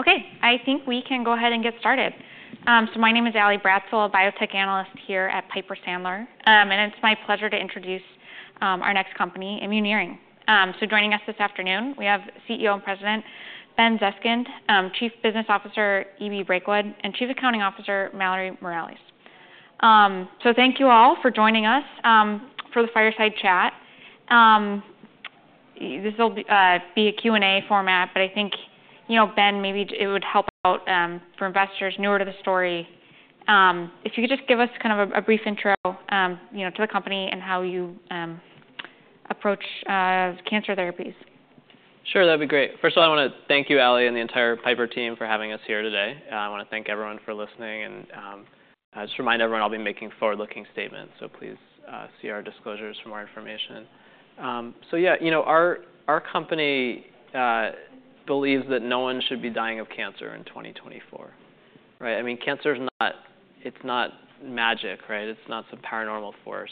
Okay, I think we can go ahead and get started. My name is Allie Bratzel, a biotech analyst here at Piper Sandler. And it's my pleasure to introduce our next company, Immuneering. Joining us this afternoon, we have CEO and President Ben Zeskind, Chief Business Officer H.B. Brakewood, and Chief Accounting Officer Mallory Morales. Thank you all for joining us for the fireside chat. This will be a Q&A format, but I think, you know, Ben, maybe it would help out for investors newer to the story. If you could just give us kind of a brief intro to the company and how you approach cancer therapies. Sure, that'd be great. First of all, I want to thank you, Allie, and the entire Piper team for having us here today. I want to thank everyone for listening and just remind everyone I'll be making forward-looking statements, so please see our disclosures for more information. So yeah, you know, our company believes that no one should be dying of cancer in 2024. Right? I mean, cancer is not, it's not magic, right? It's not some paranormal force.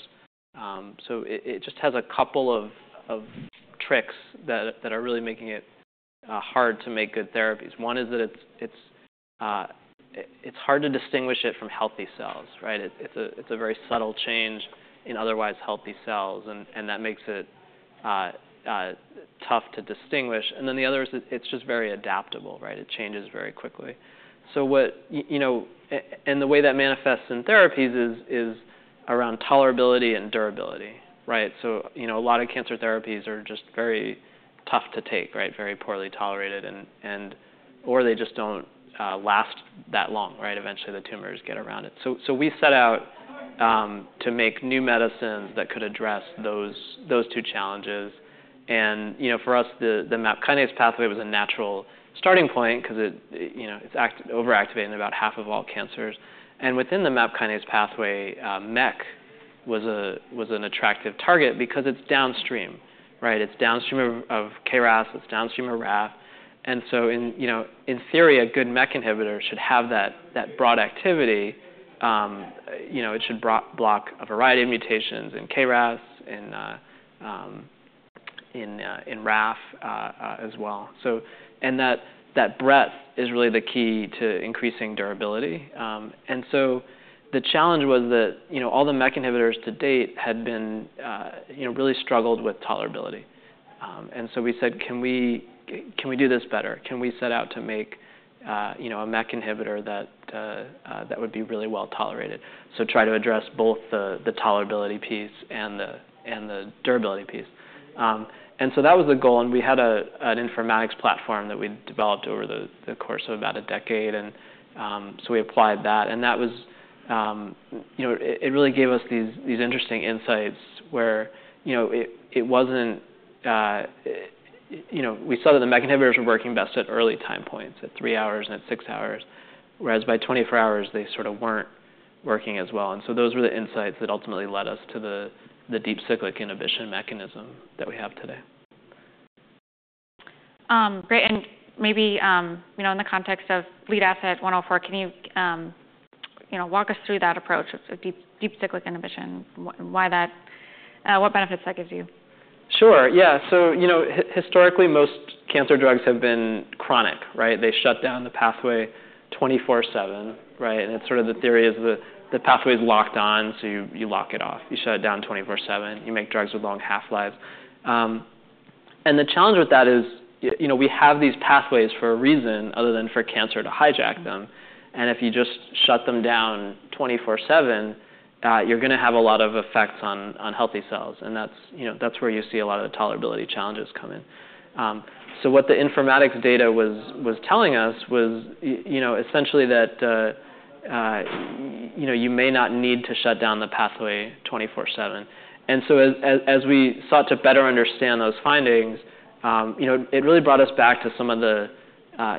So it just has a couple of tricks that are really making it hard to make good therapies. One is that it's hard to distinguish it from healthy cells, right? It's a very subtle change in otherwise healthy cells, and that makes it tough to distinguish. And then the other is that it's just very adaptable, right? It changes very quickly. So what, you know, and the way that manifests in therapies is around tolerability and durability, right? So, you know, a lot of cancer therapies are just very tough to take, right? Very poorly tolerated, and/or they just don't last that long, right? Eventually, the tumors get around it. So we set out to make new medicines that could address those two challenges. And, you know, for us, the MAP kinase pathway was a natural starting point because it, you know, it's overactivated in about half of all cancers. And within the MAP kinase pathway, MEK was an attractive target because it's downstream, right? It's downstream of KRAS, it's downstream of RAF. And so, you know, in theory, a good MEK inhibitor should have that broad activity. You know, it should block a variety of mutations in KRAS, in RAF as well. So, and that breadth is really the key to increasing durability. And so the challenge was that, you know, all the MEK inhibitors to date had been, you know, really struggled with tolerability. And so we said, can we do this better? Can we set out to make, you know, a MEK inhibitor that would be really well tolerated? So try to address both the tolerability piece and the durability piece. And so that was the goal. And we had an informatics platform that we developed over the course of about a decade. And so we applied that. And that was, you know, it really gave us these interesting insights where, you know, it wasn't, you know, we saw that the MEK inhibitors were working best at early time points, at three hours and at six hours, whereas by 24 hours, they sort of weren't working as well. Those were the insights that ultimately led us to the deep cyclic inhibition mechanism that we have today. Great. And maybe, you know, in the context of lead asset 104, can you, you know, walk us through that approach of deep cyclic inhibition and why that, what benefits that gives you? Sure. Yeah. So, you know, historically, most cancer drugs have been chronic, right? They shut down the pathway 24/7, right? And it's sort of the theory is the pathway is locked on, so you lock it off. You shut it down 24/7. You make drugs with long half-lives. And the challenge with that is, you know, we have these pathways for a reason other than for cancer to hijack them. And if you just shut them down 24/7, you're going to have a lot of effects on healthy cells. And that's, you know, that's where you see a lot of the tolerability challenges come in. So what the informatics data was telling us was, you know, essentially that, you know, you may not need to shut down the pathway 24/7. As we sought to better understand those findings, you know, it really brought us back to some of the,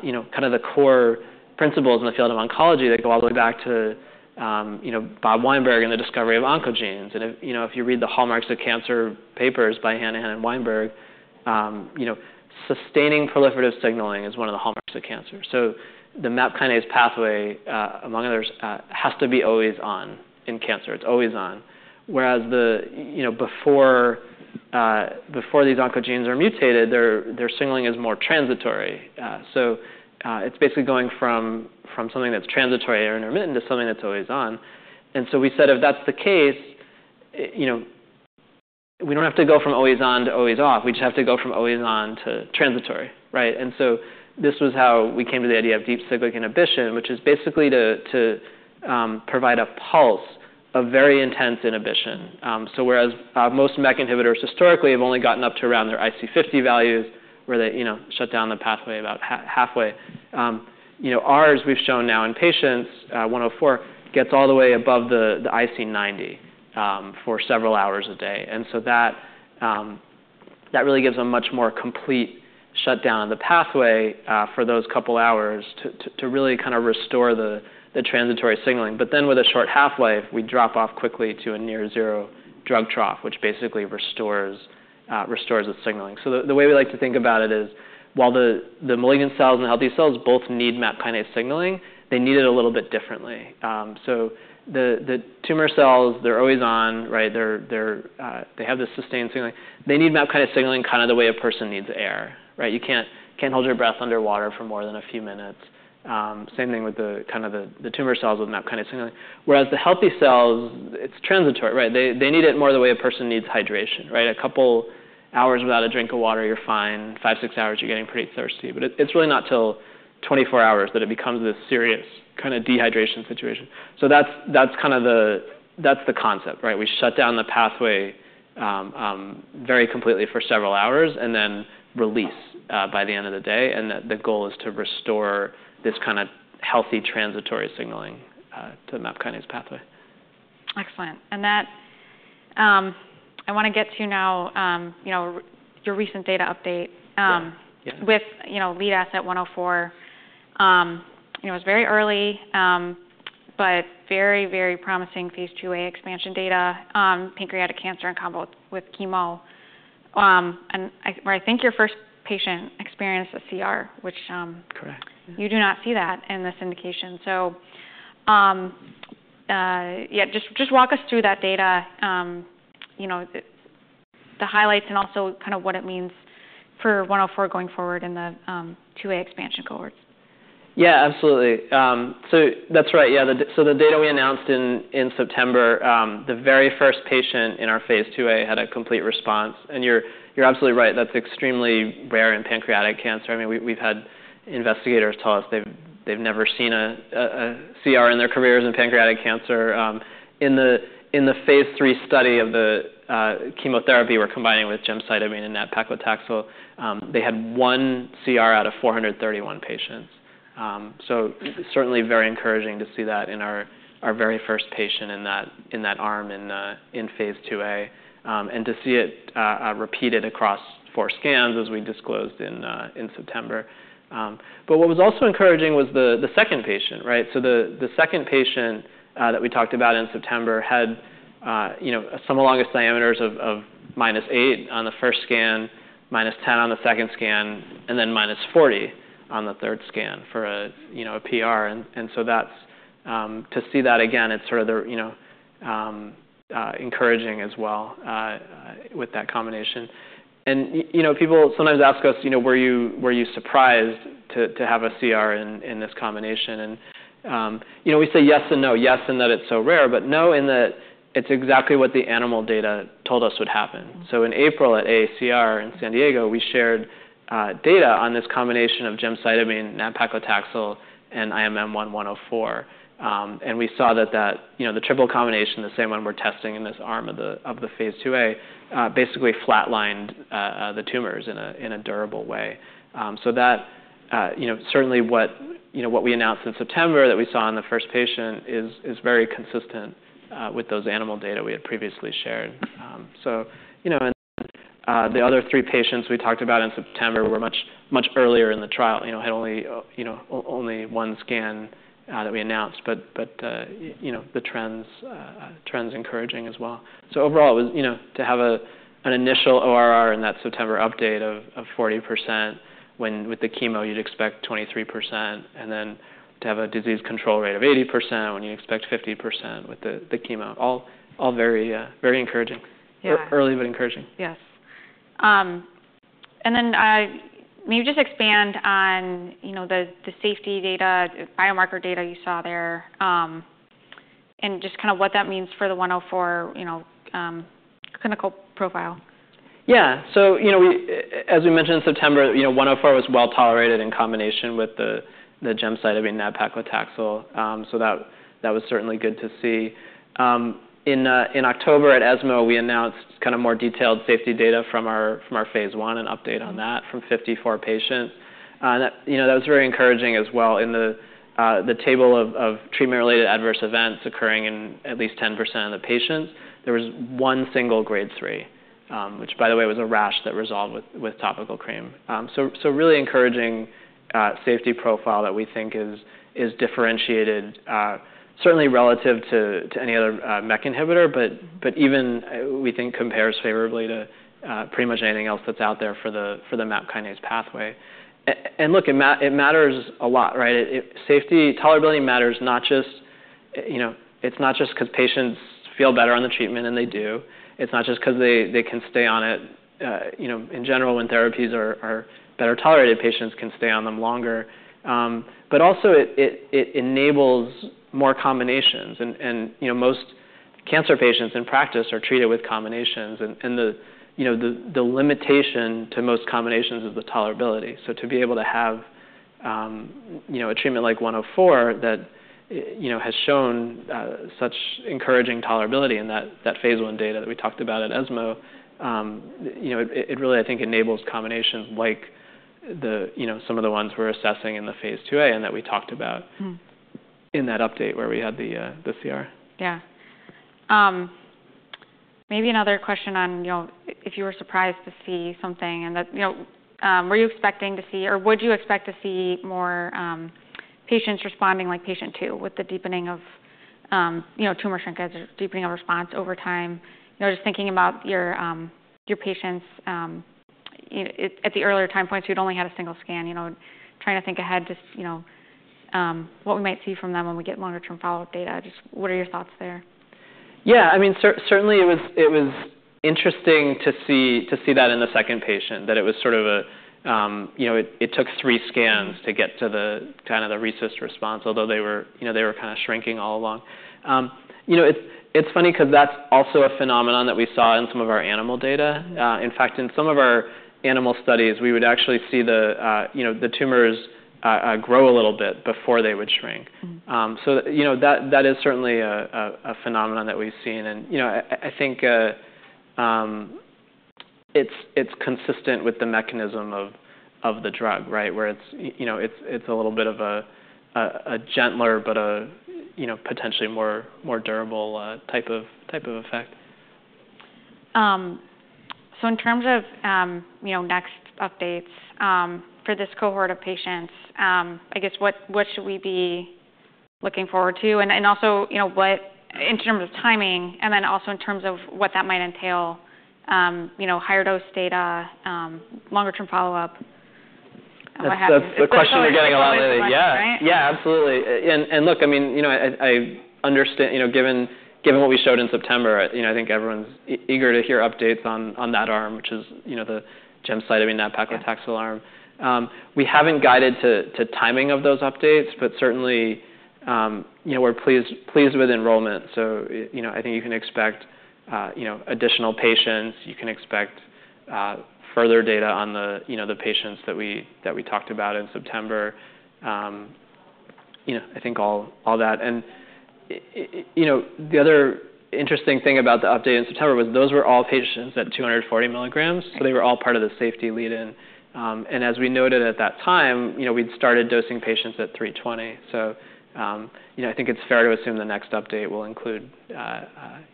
you know, kind of the core principles in the field of oncology that go all the way back to, you know, Bob Weinberg and the discovery of oncogenes. You know, if you read the Hallmarks of Cancer papers by Hanahan and Weinberg, you know, sustaining proliferative signaling is one of the hallmarks of cancer. The MAP kinase pathway, among others, has to be always on in cancer. It's always on. Whereas the, you know, before these oncogenes are mutated, their signaling is more transitory. It's basically going from something that's transitory or intermittent to something that's always on. We said, if that's the case, you know, we don't have to go from always on to always off. We just have to go from always on to transitory, right? And so this was how we came to the idea of deep cyclic inhibition, which is basically to provide a pulse of very intense inhibition. So whereas most MEK inhibitors historically have only gotten up to around their IC50 values where they, you know, shut down the pathway about halfway, you know, ours, we've shown now in patients 104 gets all the way above the IC90 for several hours a day. And so that really gives a much more complete shutdown of the pathway for those couple hours to really kind of restore the transitory signaling. But then with a short half-life, we drop off quickly to a near-zero drug trough, which basically restores the signaling. So the way we like to think about it is while the malignant cells and the healthy cells both need MAP kinase signaling, they need it a little bit differently. So the tumor cells, they're always on, right? They have the sustained signaling. They need MAP kinase signaling kind of the way a person needs air, right? You can't hold your breath underwater for more than a few minutes. Same thing with the kind of the tumor cells with MAP kinase signaling. Whereas the healthy cells, it's transitory, right? They need it more the way a person needs hydration, right? A couple hours without a drink of water, you're fine. Five, six hours, you're getting pretty thirsty. But it's really not till 24 hours that it becomes this serious kind of dehydration situation. So that's kind of the concept, right? We shut down the pathway very completely for several hours and then release by the end of the day, and the goal is to restore this kind of healthy transitory signaling to the MAP kinase pathway. Excellent. And that I want to get to now, you know, your recent data update with, you know, lead asset 104. You know, it was very early, but very, very promising phase IIA expansion data, pancreatic cancer in combo with chemo. And I think your first patient experienced a CR, which. Correct. You do not see that in this indication. So yeah, just walk us through that data, you know, the highlights and also kind of what it means for 104 going forward in the IIA expansion cohorts. Yeah, absolutely. So that's right. Yeah. So the data we announced in September, the very first patient in our phase IIA had a complete response. And you're absolutely right. That's extremely rare in pancreatic cancer. I mean, we've had investigators tell us they've never seen a CR in their careers in pancreatic cancer. In the phase III study of the chemotherapy, we're combining with gemcitabine and nab-paclitaxel. They had one CR out of 431 patients. So certainly very encouraging to see that in our very first patient in that arm in phase IIA. And to see it repeated across four scans as we disclosed in September. But what was also encouraging was the second patient, right? So the second patient that we talked about in September had, you know, some of the longest diameters of minus eight on the first scan, minus 10 on the second scan, and then minus 40 on the third scan for a PR. And so that's to see that again, it's sort of, you know, encouraging as well with that combination. And, you know, people sometimes ask us, you know, were you surprised to have a CR in this combination? And, you know, we say yes and no. Yes in that it's so rare, but no in that it's exactly what the animal data told us would happen. So in April at AACR in San Diego, we shared data on this combination of gemcitabine, nab-paclitaxel, and IMM-1-104. We saw that, you know, the triple combination, the same one we're testing in this arm of the phase IIA, basically flatlined the tumors in a durable way. That, you know, certainly what we announced in September that we saw in the first patient is very consistent with those animal data we had previously shared. You know, and then the other three patients we talked about in September were much earlier in the trial, you know, had only one scan that we announced. You know, the trends are encouraging as well. Overall, it was, you know, to have an initial ORR in that September update of 40%, when with the chemo you'd expect 23%, and then to have a disease control rate of 80% when you expect 50% with the chemo. All very encouraging. Early but encouraging. Yes, and then maybe just expand on, you know, the safety data, biomarker data you saw there, and just kind of what that means for the 104, you know, clinical profile. Yeah. So, you know, as we mentioned in September, you know, 104 was well tolerated in combination with the gemcitabine and nab-paclitaxel. So that was certainly good to see. In October at ESMO, we announced kind of more detailed safety data from our phase I and update on that from 54 patients. And, you know, that was very encouraging as well. In the table of treatment-related adverse events occurring in at least 10% of the patients, there was one single grade three, which, by the way, was a rash that resolved with topical cream. So really encouraging safety profile that we think is differentiated, certainly relative to any other MEK inhibitor, but even we think compares favorably to pretty much anything else that's out there for the MAP kinase pathway. And look, it matters a lot, right? Safety, tolerability matters not just, you know, it's not just because patients feel better on the treatment, and they do. It's not just because they can stay on it, you know, in general when therapies are better tolerated, patients can stay on them longer. But also it enables more combinations. And, you know, most cancer patients in practice are treated with combinations. And the, you know, the limitation to most combinations is the tolerability. So to be able to have, you know, a treatment like 104 that, you know, has shown such encouraging tolerability in that phase I data that we talked about at ESMO, you know, it really, I think, enables combinations like the, you know, some of the ones we're assessing in the phase IIA and that we talked about in that update where we had the CR. Yeah. Maybe another question on, you know, if you were surprised to see something and that, you know, were you expecting to see or would you expect to see more patients responding like patient two with the deepening of, you know, tumor shrinkage or deepening of response over time? You know, just thinking about your patients at the earlier time points who had only had a single scan, you know, trying to think ahead to, you know, what we might see from them when we get longer-term follow-up data. Just what are your thoughts there? Yeah. I mean, certainly it was interesting to see that in the second patient that it was sort of a, you know, it took three scans to get to the kind of the RECIST response, although they were, you know, they were kind of shrinking all along. You know, it's funny because that's also a phenomenon that we saw in some of our animal data. In fact, in some of our animal studies, we would actually see the, you know, the tumors grow a little bit before they would shrink. So, you know, that is certainly a phenomenon that we've seen. And, you know, I think it's consistent with the mechanism of the drug, right? Where it's, you know, it's a little bit of a gentler but a, you know, potentially more durable type of effect. So in terms of, you know, next updates for this cohort of patients, I guess what should we be looking forward to? And also, you know, what in terms of timing and then also in terms of what that might entail, you know, higher dose data, longer-term follow-up? That's the question you're getting a lot, lately. Yeah. Yeah, absolutely. And look, I mean, you know, I understand, you know, given what we showed in September, you know, I think everyone's eager to hear updates on that arm, which is, you know, the gemcitabine nab-paclitaxel arm. We haven't guided to timing of those updates, but certainly, you know, we're pleased with enrollment. So, you know, I think you can expect, you know, additional patients. You can expect further data on the, you know, the patients that we talked about in September. You know, I think all that. And, you know, the other interesting thing about the update in September was those were all patients at 240 milligrams. So they were all part of the safety lead-in. And as we noted at that time, you know, we'd started dosing patients at 320. You know, I think it's fair to assume the next update will include, you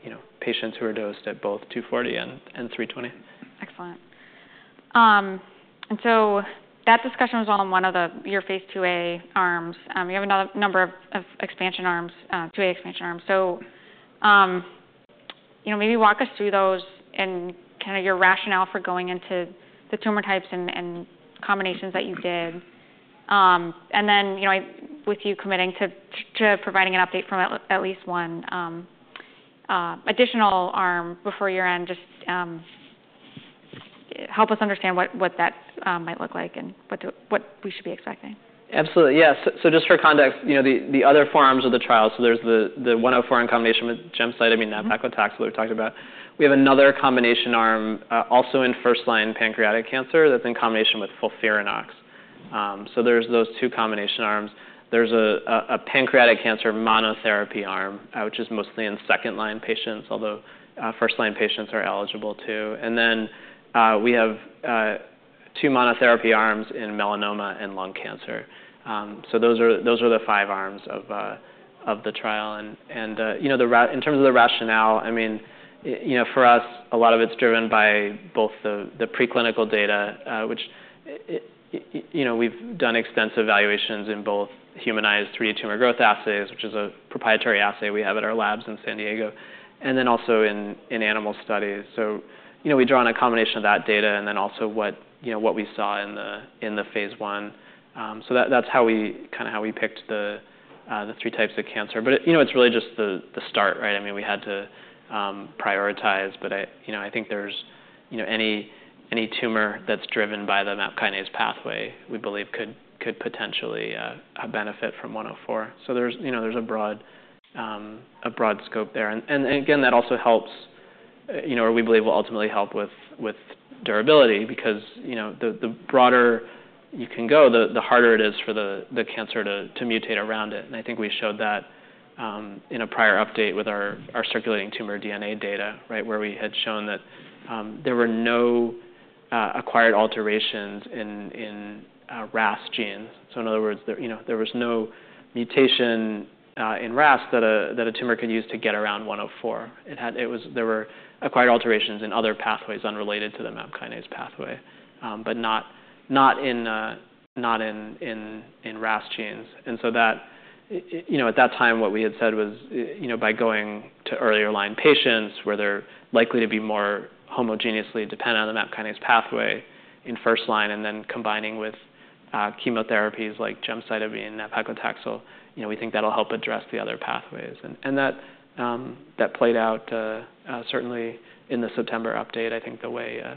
know, patients who are dosed at both 240 and 320. Excellent. And so that discussion was on one of your phase IIA arms. You have a number of expansion arms, IIA expansion arms. So, you know, maybe walk us through those and kind of your rationale for going into the tumor types and combinations that you did. And then, you know, with you committing to providing an update from at least one additional arm before year-end, just help us understand what that might look like and what we should be expecting. Absolutely. Yeah, so just for context, you know, the other forms of the trial, so there's the 104 in combination with gemcitabine nab-paclitaxel that we talked about. We have another combination arm also in first-line pancreatic cancer that's in combination with FOLFIRINOX. So there's those two combination arms. There's a pancreatic cancer monotherapy arm, which is mostly in second-line patients, although first-line patients are eligible too. And then we have two monotherapy arms in melanoma and lung cancer. So those are the five arms of the trial. And, you know, in terms of the rationale, I mean, you know, for us, a lot of it's driven by both the preclinical data, which, you know, we've done extensive evaluations in both humanized 3D tumor growth assays, which is a proprietary assay we have at our labs in San Diego, and then also in animal studies. So, you know, we draw on a combination of that data and then also what we saw in the phase I. So that's how we kind of picked the three types of cancer. But, you know, it's really just the start, right? I mean, we had to prioritize, but, you know, I think there's, you know, any tumor that's driven by the MAP kinase pathway, we believe could potentially benefit from 104. So there's, you know, there's a broad scope there. And again, that also helps, you know, or we believe will ultimately help with durability because, you know, the broader you can go, the harder it is for the cancer to mutate around it. And I think we showed that in a prior update with our circulating tumor DNA data, right, where we had shown that there were no acquired alterations in RAS genes. So in other words, you know, there was no mutation in RAS that a tumor could use to get around 104. There were acquired alterations in other pathways unrelated to the MAP kinase pathway, but not in RAS genes. And so that, you know, at that time, what we had said was, you know, by going to earlier line patients where they're likely to be more homogeneously dependent on the MAP kinase pathway in first line and then combining with chemotherapies like gemcitabine and nab-paclitaxel, you know, we think that'll help address the other pathways. And that played out certainly in the September update, I think the way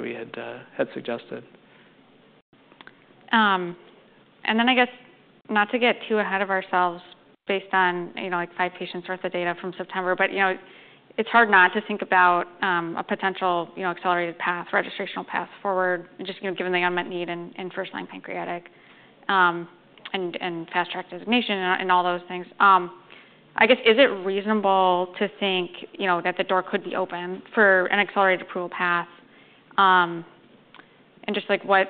we had suggested. And then, I guess not to get too ahead of ourselves based on, you know, like five patients' worth of data from September, but, you know, it's hard not to think about a potential, you know, accelerated path, registrational path forward, just, you know, given the unmet need in first-line pancreatic and fast-track designation and all those things. I guess, is it reasonable to think, you know, that the door could be open for an accelerated approval path? And just like what,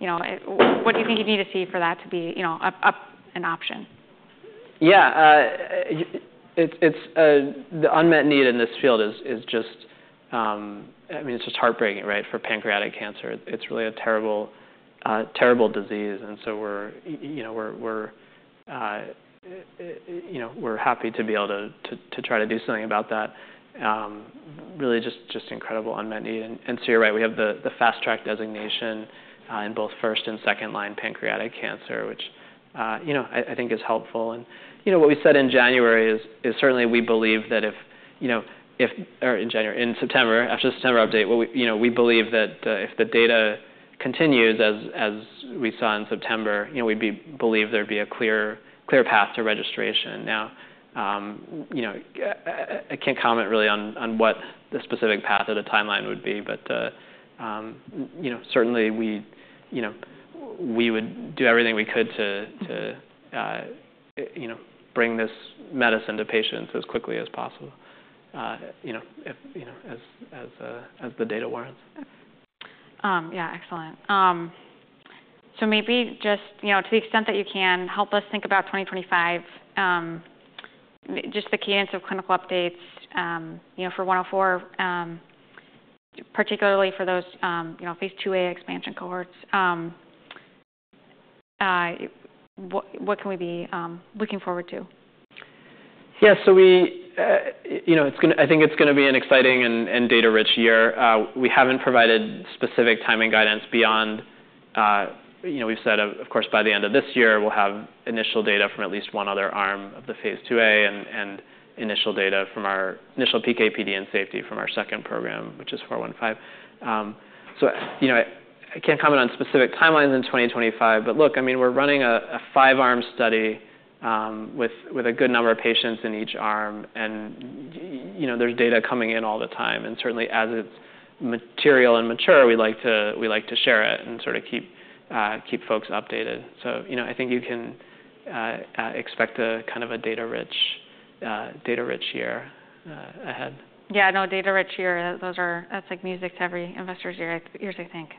you know, what do you think you need to see for that to be, you know, an option? Yeah. The unmet need in this field is just, I mean, it's just heartbreaking, right, for pancreatic cancer. It's really a terrible disease. And so we're, you know, we're happy to be able to try to do something about that. Really just incredible unmet need. And so you're right, we have the fast-track designation in both first and second-line pancreatic cancer, which, you know, I think is helpful. And, you know, what we said in January is certainly we believe that if, you know, in September, after the September update, you know, we believe there'd be a clear path to registration. Now, you know, I can't comment really on what the specific path of the timeline would be, but, you know, certainly we, you know, we would do everything we could to, you know, bring this medicine to patients as quickly as possible, you know, as the data warrants. Yeah, excellent. So maybe just, you know, to the extent that you can, help us think about 2025, just the cadence of clinical updates, you know, for 104, particularly for those, you know, phase IIA expansion cohorts. What can we be looking forward to? Yeah. So we, you know, I think it's going to be an exciting and data-rich year. We haven't provided specific timing guidance beyond, you know, we've said, of course, by the end of this year, we'll have initial data from at least one other arm of the phase IIA and initial data from our initial PKPD and safety from our second program, which is 415. So, you know, I can't comment on specific timelines in 2025, but look, I mean, we're running a five-arm study with a good number of patients in each arm. And, you know, there's data coming in all the time. And certainly as it's material and mature, we like to share it and sort of keep folks updated. So, you know, I think you can expect a kind of a data-rich year ahead. Yeah, I know. Data-rich year, those are, that's like music to every investor's ears, I think,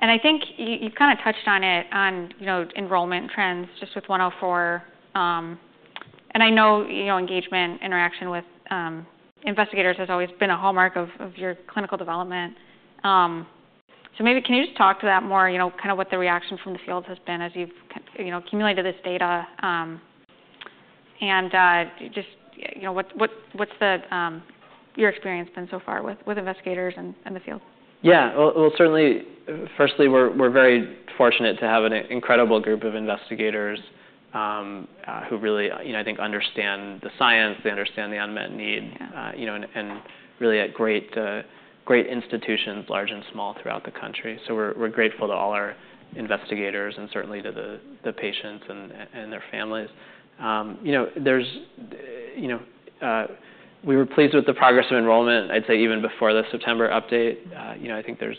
and I think you've kind of touched on it on, you know, enrollment trends just with 104, and I know, you know, engagement, interaction with investigators has always been a hallmark of your clinical development, so maybe can you just talk to that more, you know, kind of what the reaction from the field has been as you've, you know, accumulated this data and just, you know, what's your experience been so far with investigators and the field? Yeah. Well, certainly, firstly, we're very fortunate to have an incredible group of investigators who really, you know, I think understand the science, they understand the unmet need, you know, and really at great institutions, large and small throughout the country. So we're grateful to all our investigators and certainly to the patients and their families. You know, there's, you know, we were pleased with the progress of enrollment, I'd say even before the September update. You know, I think there's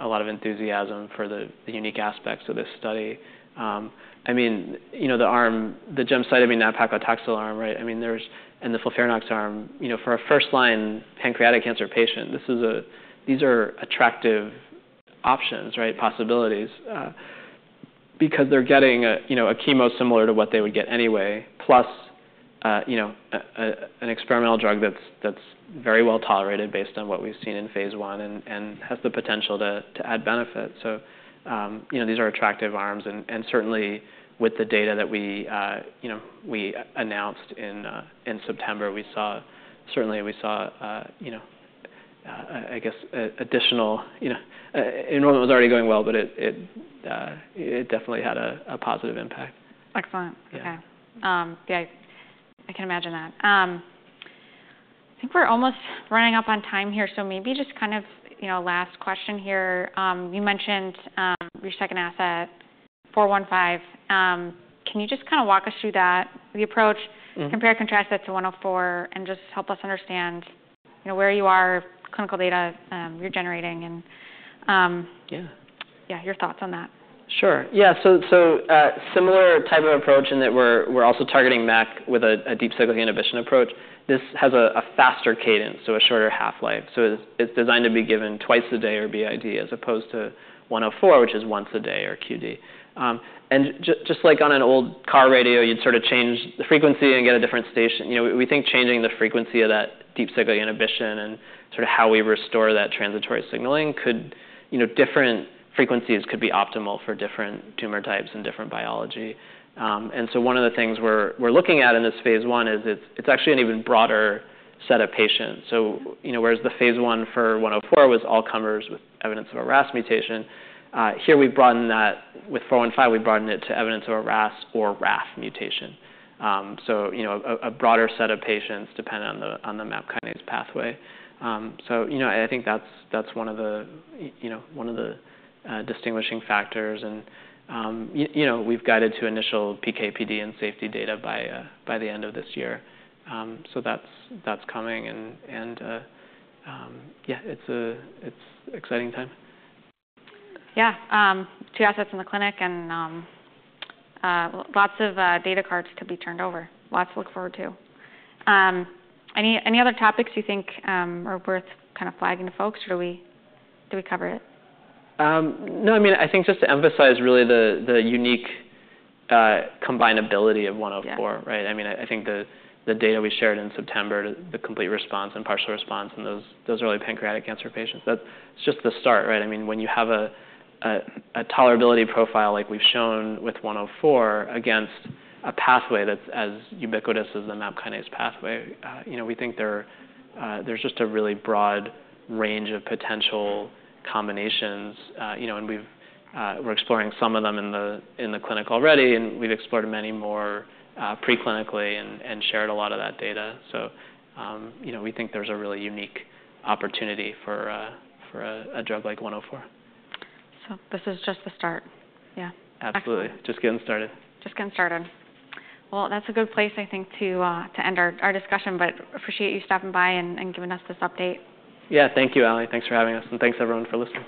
a lot of enthusiasm for the unique aspects of this study. I mean, you know, the arm, the gemcitabine nab-paclitaxel arm, right? I mean, and the FOLFIRINOX arm, you know, for a first-line pancreatic cancer patient, these are attractive options, right, possibilities because they're getting, you know, a chemo similar to what they would get anyway, plus, you know, an experimental drug that's very well tolerated based on what we've seen in phase I and has the potential to add benefit. You know, these are attractive arms. And certainly with the data that we, you know, we announced in September, we saw, certainly we saw, you know, I guess additional, you know, enrollment was already going well, but it definitely had a positive impact. Excellent. Okay. Yeah, I can imagine that. I think we're almost running up on time here. So maybe just kind of, you know, last question here. You mentioned your second asset, 415. Can you just kind of walk us through that, the approach, compare and contrast that to 104 and just help us understand, you know, where you are, clinical data you're generating and, yeah, your thoughts on that? Sure. Yeah. So similar type of approach in that we're also targeting MAP with a deep cyclic inhibition approach. This has a faster cadence, so a shorter half-life. So it's designed to be given twice a day or BID as opposed to 104, which is once a day or QD. And just like on an old car radio, you'd sort of change the frequency and get a different station. You know, we think changing the frequency of that deep cyclic inhibition and sort of how we restore that transitory signaling could, you know, different frequencies could be optimal for different tumor types and different biology. And so one of the things we're looking at in this phase I is it's actually an even broader set of patients. So, you know, whereas the phase I for 104 was all comers with evidence of a RAS mutation, here we broaden that with 415, we broaden it to evidence of a RAS or RAF mutation. So, you know, a broader set of patients depending on the MAP kinase pathway. So, you know, I think that's one of the, you know, one of the distinguishing factors. And, you know, we've guided to initial PK/PD and safety data by the end of this year. So that's coming. And yeah, it's an exciting time. Yeah. Two assets in the clinic and lots of data cards to be turned over. Lots to look forward to. Any other topics you think are worth kind of flagging to folks or did we cover it? No, I mean, I think just to emphasize really the unique combinability of 104, right? I mean, I think the data we shared in September, the complete response and partial response in those early pancreatic cancer patients, that's just the start, right? I mean, when you have a tolerability profile like we've shown with 104 against a pathway that's as ubiquitous as the MAP kinase pathway, you know, we think there's just a really broad range of potential combinations, you know, and we're exploring some of them in the clinic already and we've explored many more preclinically and shared a lot of that data. So, you know, we think there's a really unique opportunity for a drug like 104. So this is just the start. Yeah. Absolutely. Just getting started. Just getting started. That's a good place, I think, to end our discussion, but I appreciate you stopping by and giving us this update. Yeah. Thank you, Allie. Thanks for having us. And thanks everyone for listening.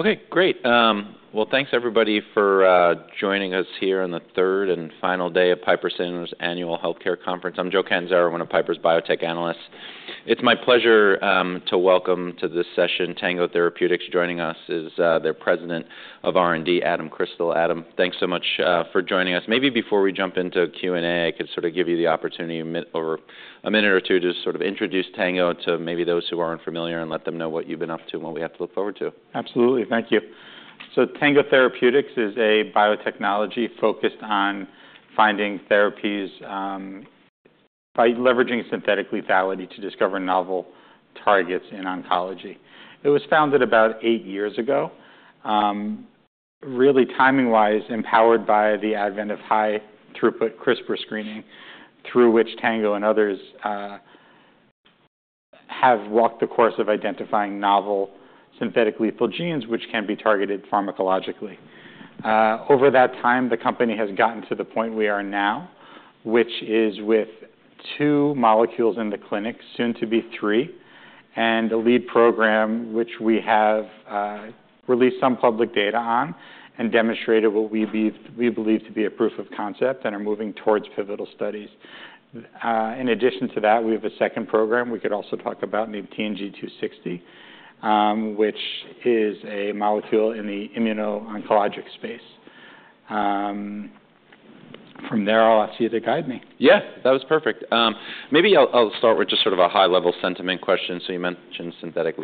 Okay, great. Well, thanks everybody for joining us here on the third and final day of Piper Sandler's annual healthcare conference. I'm Joe Catanzaro, one of Piper's biotech analysts. It's my pleasure to welcome to this session Tango Therapeutics. Joining us is their President of R&D, Adam Crystal. Adam, thanks so much for joining us. Maybe before we jump into Q&A, I could sort of give you the opportunity over a minute or two to sort of introduce Tango to maybe those who aren't familiar and let them know what you've been up to and what we have to look forward to. Absolutely. Thank you. So Tango Therapeutics is a biotechnology focused on finding therapies by leveraging synthetic lethality to discover novel targets in oncology. It was founded about eight years ago, really timing-wise empowered by the advent of high-throughput CRISPR screening, through which Tango and others have walked the course of identifying novel synthetic lethal genes, which can be targeted pharmacologically. Over that time, the company has gotten to the point we are now, which is with two molecules in the clinic, soon to be three, and a lead program, which we have released some public data on and demonstrated what we believe to be a proof of concept and are moving towards pivotal studies. In addition to that, we have a second program we could also talk about, named TNG260, which is a molecule in the immuno-oncologic space. From there, I'll ask you to guide me. Yeah, that was perfect. Maybe I'll start with just sort of a high-level sentiment question. So you mentioned synthetic.